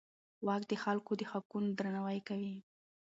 واک د خلکو د حقونو درناوی کوي.